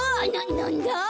なんだ？